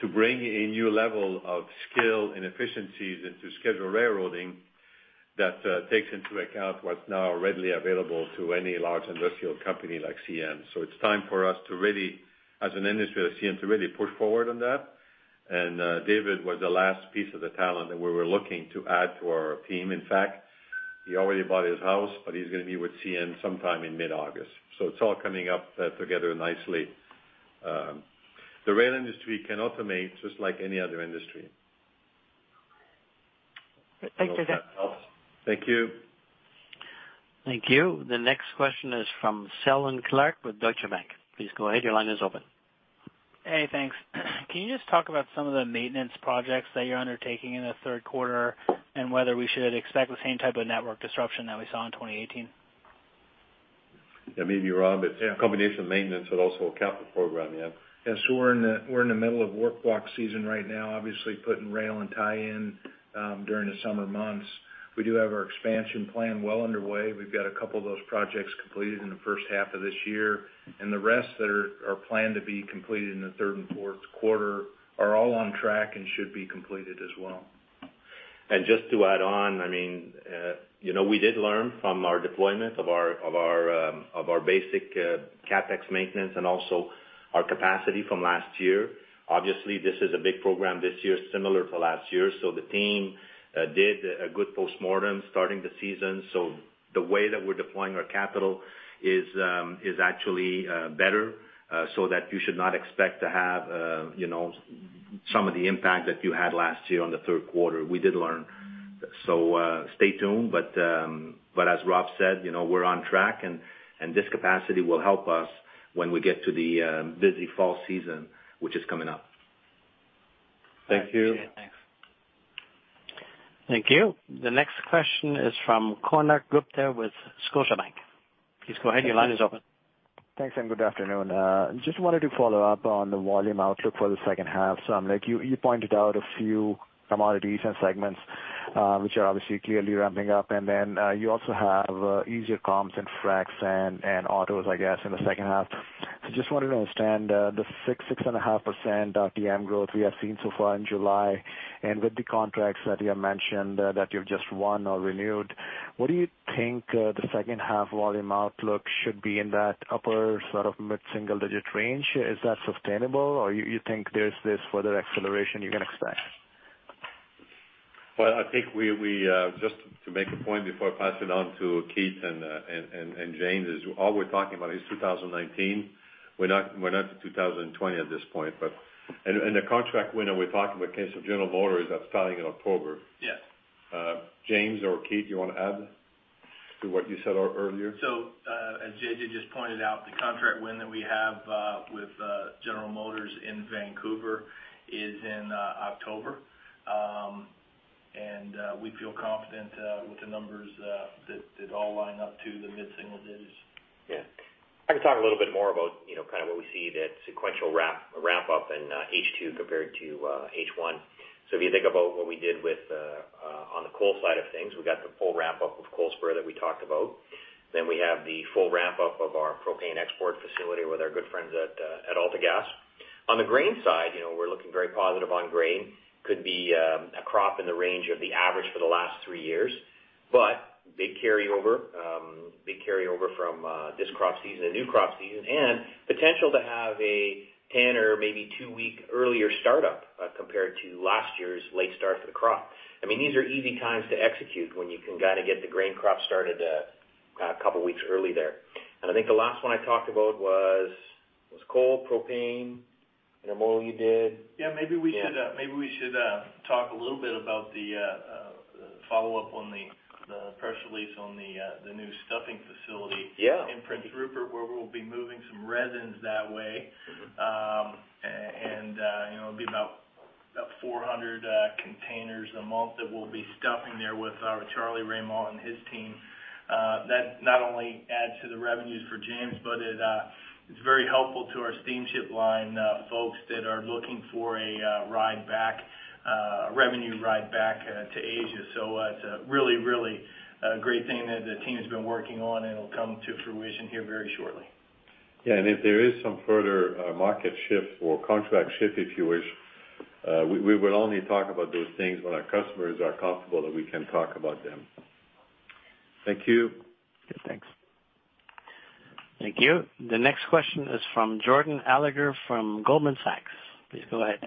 to bring a new level of skill and efficiencies into schedule railroading that takes into account what's now readily available to any large industrial company like CN. So it's time for us to really, as an industry at CN, to really push forward on that. And David was the last piece of the talent that we were looking to add to our team. In fact, he already bought his house, but he's going to be with CN sometime in mid-August. So it's all coming up together nicely. The rail industry can automate just like any other industry. Thank you. Thank you. Thank you. The next question is from Seldon Clarke with Deutsche Bank. Please go ahead. Your line is open. Hey, thanks. Can you just talk about some of the maintenance projects that you're undertaking in the third quarter and whether we should expect the same type of network disruption that we saw in 2018? Yeah. Maybe Rob, it's a combination of maintenance, but also a capital program. Yeah. Yeah. So we're in the middle of work block season right now, obviously putting rail and tie-in during the summer months. We do have our expansion plan well underway. We've got a couple of those projects completed in the first half of this year. And the rest that are planned to be completed in the third and fourth quarter are all on track and should be completed as well. Just to add on, I mean, we did learn from our deployment of our basic CapEx maintenance and also our capacity from last year. Obviously, this is a big program this year, similar to last year. The team did a good post-mortem starting the season. The way that we're deploying our capital is actually better so that you should not expect to have some of the impact that you had last year on the third quarter. We did learn. Stay tuned. But as Rob said, we're on track, and this capacity will help us when we get to the busy fall season, which is coming up. Thank you. Thank you. Thanks. Thank you. The next question is from Konark Gupta with Scotiabank. Please go ahead. Your line is open. Thanks, and good afternoon. Just wanted to follow up on the volume outlook for the second half. So you pointed out a few commodities and segments which are obviously clearly ramping up. And then you also have easier comps and fracs sand autos, I guess, in the second half. So just wanted to understand the 6%-6.5% RTM growth we have seen so far in July and with the contracts that you have mentioned that you've just won or renewed. What do you think the second half volume outlook should be in that upper sort of mid-single-digit range? Is that sustainable, or do you think there's this further acceleration you can expect? Well, I think we just to make a point before passing on to Keith and James, all we're talking about is 2019. We're not to 2020 at this point. And the contract winner we're talking about, case of General Motors, that's starting in October. James or Keith, you want to add to what you said earlier? So as JJ just pointed out, the contract win that we have with General Motors in Vancouver is in October. And we feel confident with the numbers that all line up to the mid-single digits. Yeah. I can talk a little bit more about kind of what we see that sequential ramp-up in H2 compared to H1. So if you think about what we did on the coal side of things, we got the full ramp-up with Coalspur that we talked about. Then we have the full ramp-up of our propane export facility with our good friends at AltaGas. On the grain side, we're looking very positive on grain. Could be a crop in the range of the average for the last three years, but big carryover from this crop season and new crop season and potential to have a 10- or maybe two-week earlier start-up compared to last year's late start for the crop. I mean, these are easy times to execute when you can kind of get the grain crop started a couple of weeks early there. And I think the last one I talked about was coal, propane, intermodal. You did. Yeah. Maybe we should talk a little bit about the follow-up on the press release on the new stuffing facility in Prince Rupert, where we'll be moving some resins that way. It'll be about 400 containers a month that we'll be stuffing there with our Charlie Raymond and his team. That not only adds to the revenues for James, but it's very helpful to our steamship line folks that are looking for a revenue ride back to Asia. So it's a really, really great thing that the team has been working on, and it'll come to fruition here very shortly. Yeah. If there is some further market shift or contract shift, if you wish, we will only talk about those things when our customers are comfortable that we can talk about them. Thank you. Thanks. Thank you. The next question is from Jordan Alliger from Goldman Sachs. Please go ahead.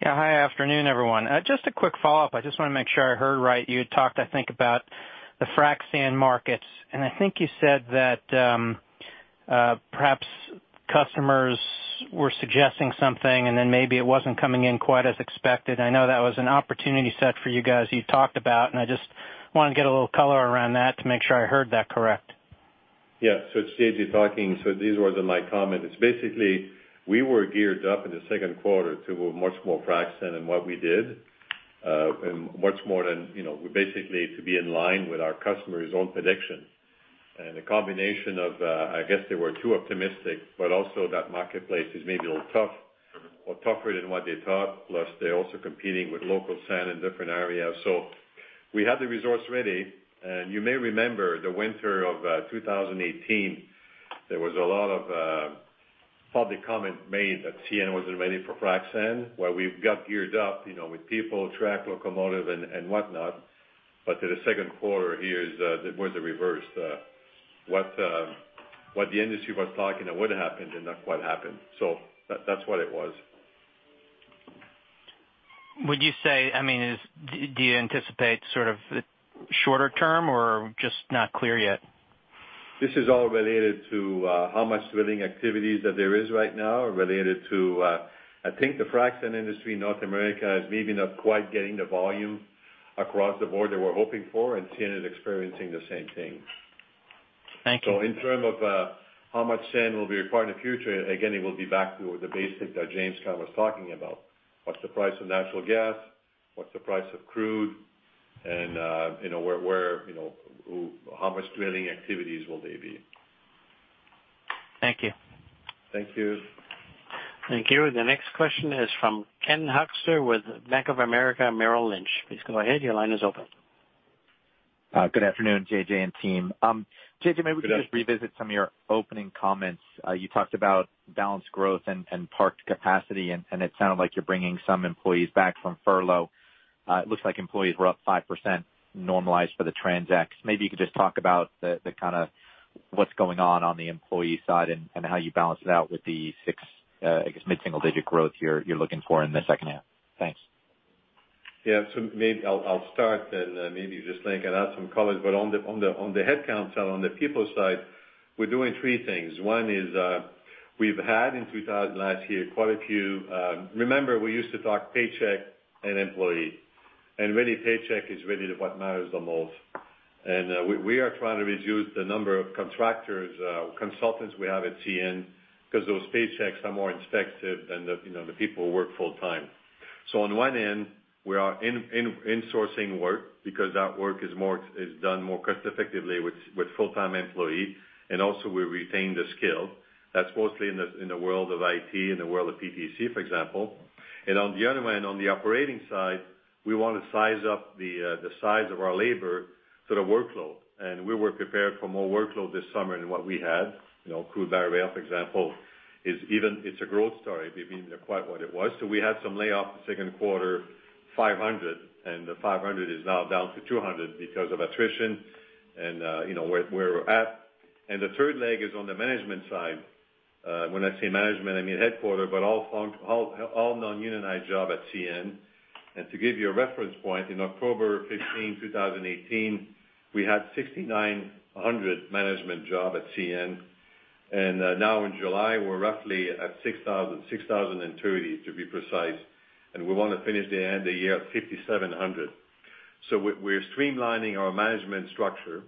Yeah. Hi, afternoon, everyone. Just a quick follow-up. I just want to make sure I heard right. You had talked, I think, about the frac sand markets. I think you said that perhaps customers were suggesting something, and then maybe it wasn't coming in quite as expected. I know that was an opportunity set for you guys you talked about, and I just wanted to get a little color around that to make sure I heard that correct. Yeah. So it's JJ talking. So these words are my comment. It's basically we were geared up in the second quarter to do much more frac sand than what we did and much more than basically to be in line with our customers' own prediction. And the combination of, I guess they were too optimistic, but also that marketplace is maybe a little tough or tougher than what they thought. Plus, they're also competing with local sand in different areas. So we had the resource ready. And you may remember the winter of 2018. There was a lot of public comment made that CN wasn't ready for frac sand, where we got geared up with people, track, locomotive, and whatnot. But in the second quarter, here was the reverse. What the industry was talking would have happened and not what happened. So that's what it was. Would you say, I mean, do you anticipate sort of shorter term or just not clear yet? This is all related to how much shipping activities that there is right now related to, I think, the frac sand industry in North America is maybe not quite getting the volume across the board that we're hoping for and CN is experiencing the same thing. Thank you. In terms of how much sand will be required in the future, again, it will be back to the basics that James kind of was talking about. What's the price of natural gas? What's the price of crude? And how much drilling activities will there be? Thank you. Thank you. Thank you. The next question is from Ken Hoexter with Bank of America Merrill Lynch. Please go ahead. Your line is open. Good afternoon, JJ and team. JJ, may we just revisit some of your opening comments? You talked about balanced growth and parked capacity, and it sounded like you're bringing some employees back from furlough. It looks like employees were up 5% normalized for the TransX. Maybe you could just talk about the kind of what's going on on the employee side and how you balance it out with this, I guess, mid-single digit growth you're looking for in the second half. Thanks. Yeah. So maybe I'll start and maybe just lay it out some colors. But on the headcount side, on the people side, we're doing three things. One is we've had in 2020 last year quite a few. Remember, we used to talk paycheck and employee. And really, paycheck is really what matters the most. And we are trying to reduce the number of contractors or consultants we have at CN because those paychecks are more expensive than the people who work full-time. So on one end, we are insourcing work because that work is done more cost-effectively with full-time employees. And also, we retain the skill. That's mostly in the world of IT, in the world of PTC, for example. And on the other one, on the operating side, we want to right-size the size of our labor to the workload. And we were prepared for more workload this summer than what we had. Crude by rail, for example, is even, it's a growth story. We've been there quite what it was. So we had some layoffs the second quarter, 500, and the 500 is now down to 200 because of attrition and where we're at. And the third leg is on the management side. When I say management, I mean headquarters, but all non-unionized jobs at CN. And to give you a reference point, in October 15, 2018, we had 6,900 management jobs at CN. And now in July, we're roughly at 6,000, 6,030 to be precise. And we want to finish the end of the year at 5,700. So we're streamlining our management structure.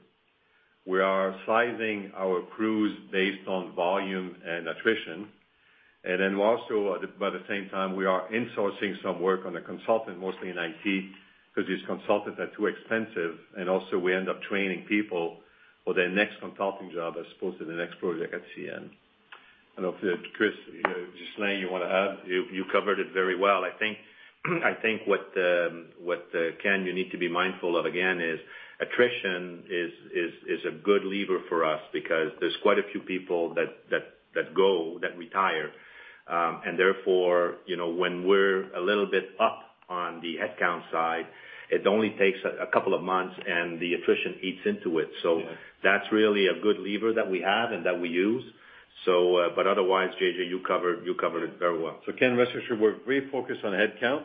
We are sizing our crews based on volume and attrition. And then also by the same time, we are insourcing some work from the consultants, mostly in IT, because these consultants are too expensive. And also, we end up training people for their next consulting job as opposed to the next project at CN. I don't know if Chris, Ghislain, you want to add? You covered it very well. I think what, Ken, you need to be mindful of again is attrition is a good lever for us because there's quite a few people that go, that retire. And therefore, when we're a little bit up on the headcount side, it only takes a couple of months, and the attrition eats into it. So that's really a good lever that we have and that we use. But otherwise, JJ, you covered it very well. So Ken, rest assured, we're very focused on headcount.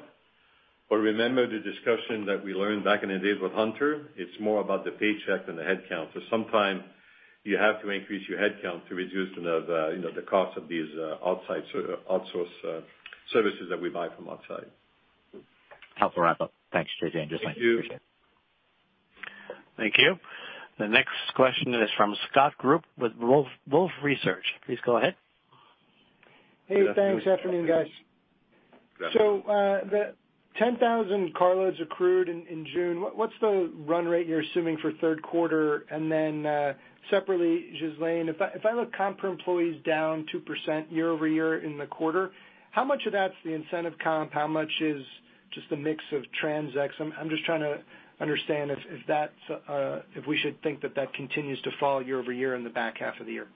But remember the discussion that we learned back in the days with Hunter? It's more about the paycheck than the headcount. So sometimes you have to increase your headcount to reduce the cost of these outsource services that we buy from outside. Helpful wrap-up. Thanks, JJ. And just want to appreciate it. Thank you. Thank you. The next question is from Scott Group with Wolfe Research. Please go ahead. Hey, thanks. Good afternoon, guys. So the 10,000 carloads of crude in June, what's the run rate you're assuming for third quarter? And then separately, Ghislain, if I look comp for employees down 2% year-over-year in the quarter, how much of that's the incentive comp? How much is just a mix of tranches? I'm just trying to understand if we should think that that continues to fall year-over-year in the back half of the year.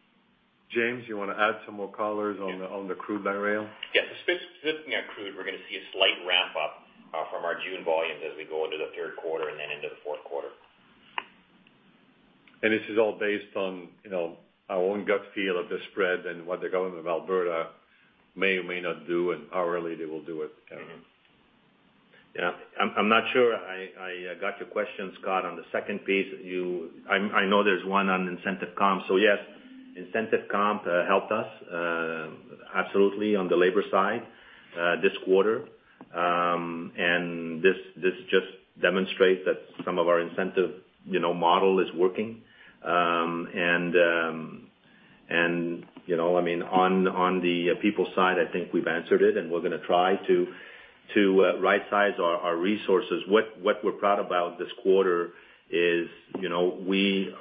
James, you want to add some more colors on the crude by rail? Yeah. Specifically on crude, we're going to see a slight ramp-up from our June volumes as we go into the third quarter and then into the fourth quarter. And this is all based on our own gut feel of the spread and what the Government of Alberta may or may not do, and how early they will do it. Yeah. I'm not sure I got your question, Scott, on the second piece. I know there's one on incentive comp. So yes, incentive comp helped us absolutely on the labor side this quarter. And this just demonstrates that some of our incentive model is working. And I mean, on the people side, I think we've answered it, and we're going to try to right-size our resources. What we're proud about this quarter is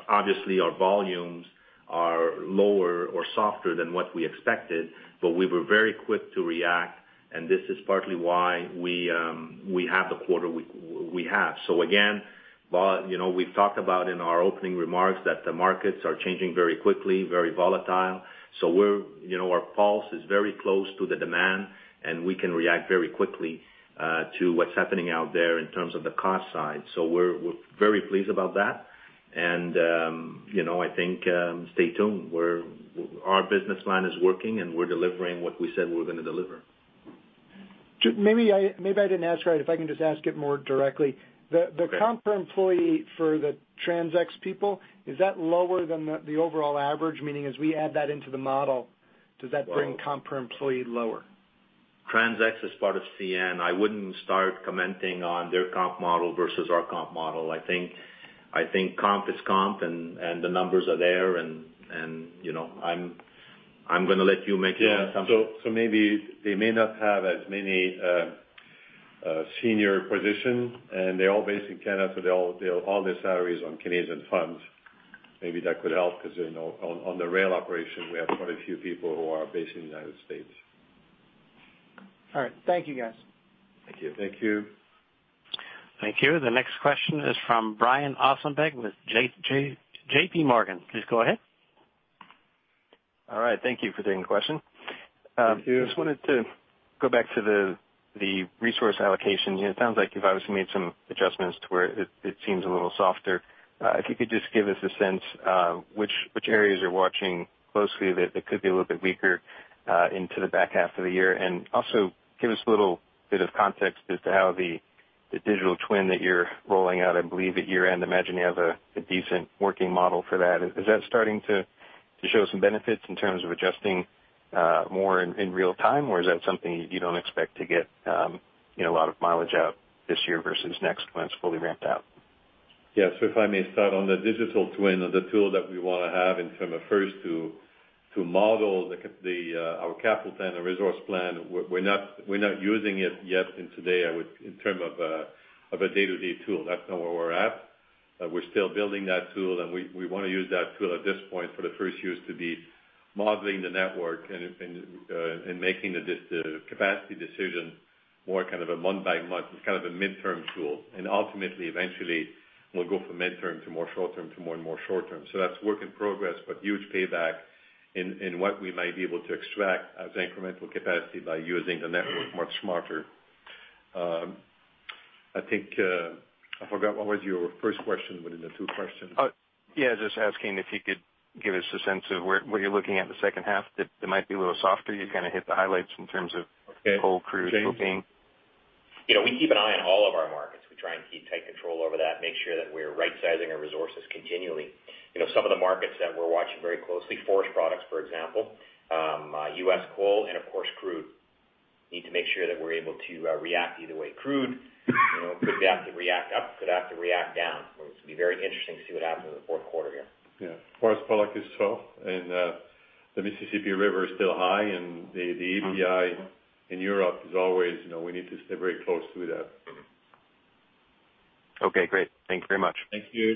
obviously our volumes are lower or softer than what we expected, but we were very quick to react. And this is partly why we have the quarter we have. So again, we've talked about in our opening remarks that the markets are changing very quickly, very volatile. So our pulse is very close to the demand, and we can react very quickly to what's happening out there in terms of the cost side. So we're very pleased about that. And I think, stay tuned. Our business plan is working, and we're delivering what we said we were going to deliver. Maybe I didn't ask right. If I can just ask it more directly. The comp per employee for the TransX people, is that lower than the overall average? Meaning, as we add that into the model, does that bring comp per employee lower? TransX is part of CN. I wouldn't start commenting on their comp model versus our comp model. I think comp is comp, and the numbers are there. I'm going to let you make your own assumption. Yeah. So maybe they may not have as many senior positions, and they're all based in Canada, so all their salary is on Canadian funds. Maybe that could help because on the rail operation, we have quite a few people who are based in the United States. All right. Thank you, guys. Thank you. Thank you. Thank you. The next question is from Brian Ossenbeck with JPMorgan. Please go ahead. All right. Thank you for taking the question. Thank you. I just wanted to go back to the resource allocation. It sounds like you've obviously made some adjustments to where it seems a little softer. If you could just give us a sense which areas you're watching closely that could be a little bit weaker into the back half of the year? Also give us a little bit of context as to how the digital twin that you're rolling out, I believe at year-end, imagine you have a decent working model for that. Is that starting to show some benefits in terms of adjusting more in real time, or is that something you don't expect to get a lot of mileage out this year versus next when it's fully ramped out? Yeah. So if I may start on the digital twin or the tool that we want to have in terms of first to model our capital plan and resource plan, we're not using it yet in today in terms of a day-to-day tool. That's not where we're at. We're still building that tool, and we want to use that tool at this point for the first use to be modeling the network and making the capacity decision more kind of a month-by-month. It's kind of a midterm tool. And ultimately, eventually, we'll go from midterm to more short-term to more and more short-term. So that's work in progress, but huge payback in what we might be able to extract as incremental capacity by using the network much smarter. I think I forgot what was your first question within the two questions. Yeah. Just asking if you could give us a sense of what you're looking at in the second half. It might be a little softer. You kind of hit the highlights in terms of whole crude grouping. We keep an eye on all of our markets. We try and keep tight control over that, make sure that we're right-sizing our resources continually. Some of the markets that we're watching very closely, forest products, for example, U.S. coal and, of course, crude, need to make sure that we're able to react either way. Crude could have to react up, could have to react down. It's going to be very interesting to see what happens in the fourth quarter here. Yeah. Coal product is tough, and the Mississippi River is still high, and the API 2 in Europe is always we need to stay very close to that. Okay. Great. Thank you very much. Thank you.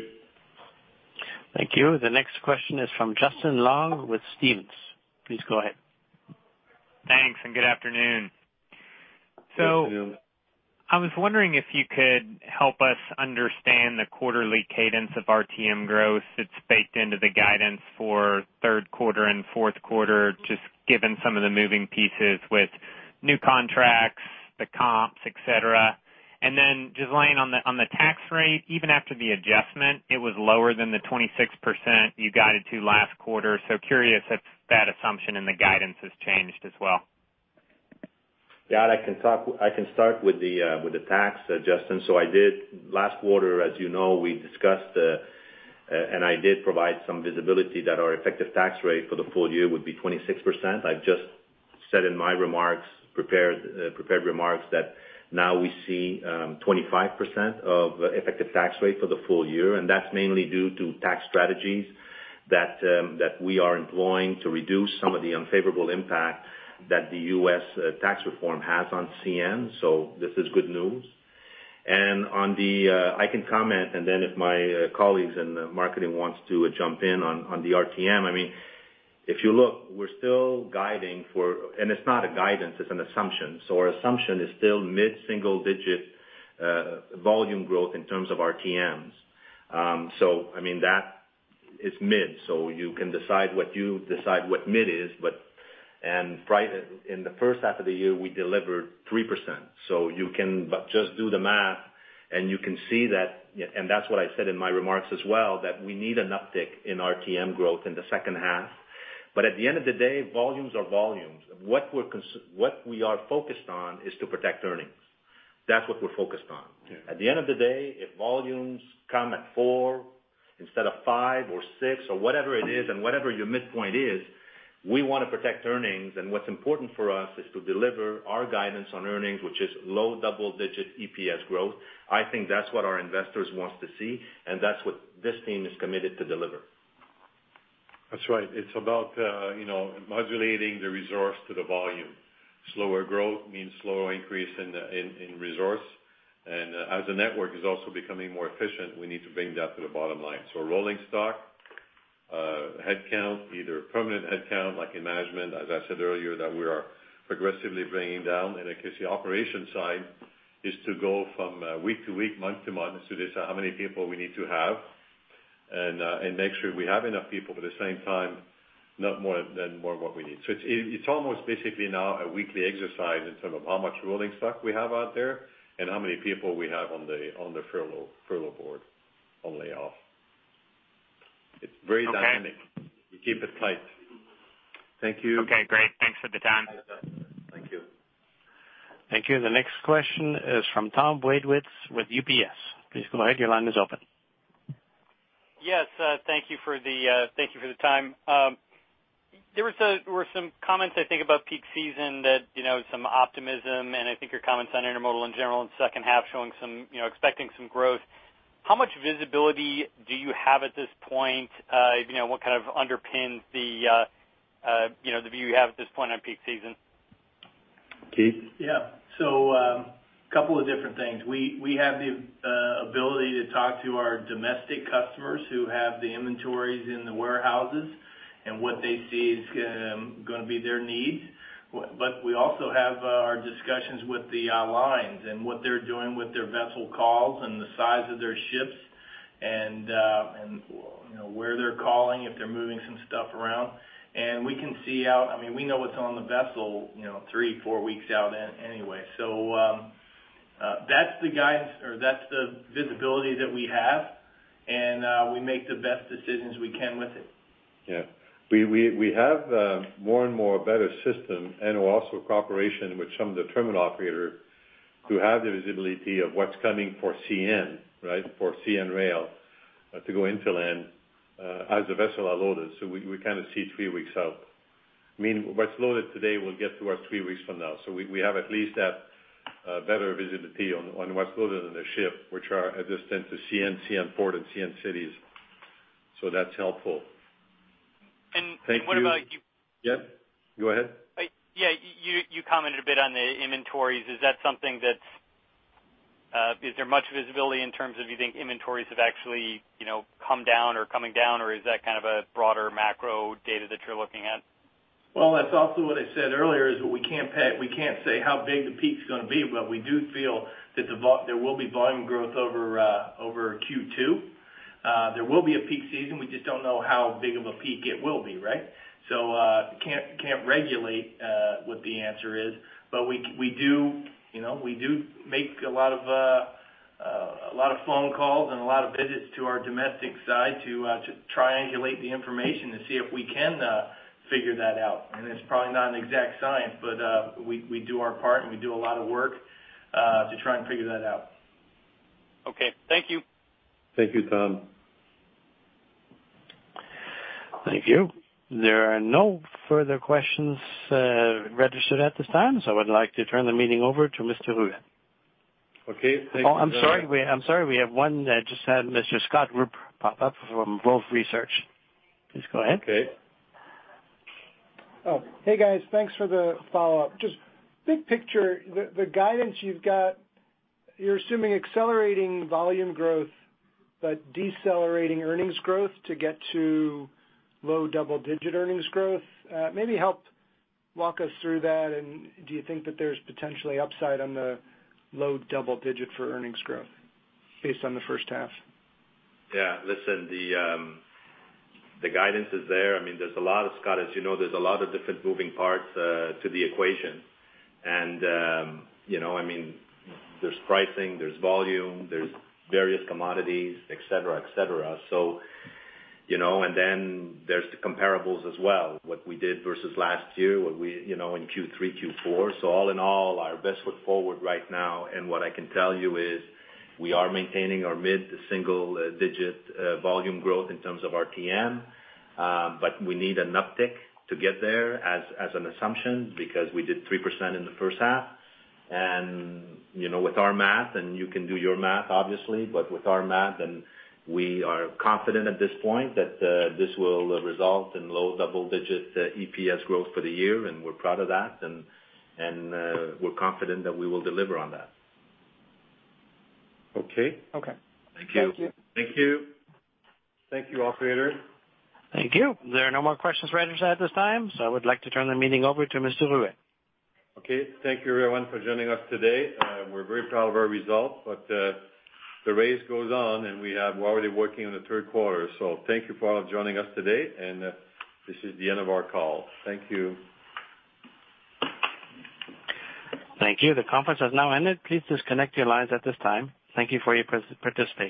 Thank you. The next question is from Justin Long with Stephens. Please go ahead. Thanks. Good afternoon. I was wondering if you could help us understand the quarterly cadence of RTM growth. It's baked into the guidance for third quarter and fourth quarter, just given some of the moving pieces with new contracts, the comps, etc. Then Ghislain, on the tax rate, even after the adjustment, it was lower than the 26% you guided to last quarter. Curious if that assumption in the guidance has changed as well. Yeah. I can start with the tax adjustment. So last quarter, as you know, we discussed, and I did provide some visibility that our effective tax rate for the full year would be 26%. I've just said in my prepared remarks that now we see 25% of effective tax rate for the full year. And that's mainly due to tax strategies that we are employing to reduce some of the unfavorable impact that the U.S. tax reform has on CN. So this is good news. And I can comment, and then if my colleagues in marketing want to jump in on the RTM, I mean, if you look, we're still guiding for and it's not a guidance. It's an assumption. So our assumption is still mid-single digit volume growth in terms of RTMs. So I mean, that is mid. So you can decide what mid is, but in the first half of the year, we delivered 3%. So you can just do the math, and you can see that. And that's what I said in my remarks as well, that we need an uptick in RTM growth in the second half. But at the end of the day, volumes are volumes. What we are focused on is to protect earnings. That's what we're focused on. At the end of the day, if volumes come at four instead of five or six or whatever it is and whatever your midpoint is, we want to protect earnings. And what's important for us is to deliver our guidance on earnings, which is low double-digit EPS growth. I think that's what our investors want to see, and that's what this team is committed to deliver. That's right. It's about modulating the resource to the volume. Slower growth means slower increase in resource. And as a network is also becoming more efficient, we need to bring that to the bottom line. So rolling stock, headcount, either permanent headcount like in management, as I said earlier, that we are progressively bringing down. And I guess the operation side is to go from week-to-week, month-to-month, to decide how many people we need to have and make sure we have enough people, but at the same time, not more than what we need. So it's almost basically now a weekly exercise in terms of how much rolling stock we have out there and how many people we have on the furlough board on layoff. It's very dynamic. We keep it tight. Thank you. Okay. Great. Thanks for the time. Thank you. Thank you. The next question is from Tom Wadewitz with UBS. Please go ahead. Your line is open. Yes. Thank you for the time. There were some comments, I think, about peak season, some optimism, and I think your comments on intermodal in general in the second half showing some expecting some growth. How much visibility do you have at this point? What kind of underpins the view you have at this point on peak season? Keith? Yeah. So a couple of different things. We have the ability to talk to our domestic customers who have the inventories in the warehouses and what they see is going to be their needs. But we also have our discussions with the lines and what they're doing with their vessel calls and the size of their ships and where they're calling if they're moving some stuff around. And we can see out I mean, we know what's on the vessel three, four weeks out anyway. So that's the guidance or that's the visibility that we have, and we make the best decisions we can with it. Yeah. We have more and more better system and also cooperation with some of the terminal operators who have the visibility of what's coming for CN, right, for CN Rail to go into land as the vessel are loaded. So we kind of see three weeks out. I mean, what's loaded today will get to us three weeks from now. So we have at least that better visibility on what's loaded on the ship, which are at this time to CN, CN port, and CN cities. So that's helpful. And- Thank you What about you? Yeah. Go ahead. Yeah. You commented a bit on the inventories. Is that something that's, is there much visibility in terms of you think inventories have actually come down or coming down, or is that kind of a broader macro data that you're looking at? Well, that's also what I said earlier is that we can't say how big the peak is going to be, but we do feel that there will be volume growth over Q2. There will be a peak season. We just don't know how big of a peak it will be, right? So can't regulate what the answer is. But we do make a lot of phone calls and a lot of visits to our domestic side to triangulate the information to see if we can figure that out. And it's probably not an exact science, but we do our part, and we do a lot of work to try and figure that out. Okay. Thank you. Thank you, Tom. Thank you. There are no further questions registered at this time, so I would like to turn the meeting over to Mr. Ruest. Okay. Thank you, John. Oh, I'm sorry. I'm sorry. We have one that just had Mr. Scott Group pop up from Wolfe Research. Please go ahead. Okay. Oh, hey, guys. Thanks for the follow-up. Just big picture, the guidance you've got, you're assuming accelerating volume growth, but decelerating earnings growth to get to low double-digit earnings growth. Maybe help walk us through that, and do you think that there's potentially upside on the low double-digit for earnings growth based on the first half? Yeah. Listen, the guidance is there. I mean, there's a lot of stuff, as you know, there's a lot of different moving parts to the equation. And I mean, there's pricing, there's volume, there's various commodities, etc., etc. And then there's the comparables as well, what we did versus last year in Q3, Q4. So all in all, our best foot forward right now, and what I can tell you is we are maintaining our mid- to single-digit volume growth in terms of RTM, but we need an uptick to get there as an assumption because we did 3% in the first half. With our math, and you can do your math, obviously, but with our math, and we are confident at this point that this will result in low double-digit EPS growth for the year, and we're proud of that, and we're confident that we will deliver on that. Okay. Okay. Thank you. Thank you. Thank you. Thank you, Operator. Thank you. There are no more questions registered at this time, so I would like to turn the meeting over to Mr. Ruest. Okay. Thank you, everyone, for joining us today. We're very proud of our result, but the race goes on, and we're already working on the third quarter. So thank you for all joining us today, and this is the end of our call. Thank you. Thank you. The conference has now ended. Please disconnect your lines at this time. Thank you for your participation.